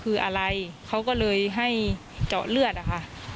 คืออะไรเขาก็เลยให้เจาะเลือดอะค่ะ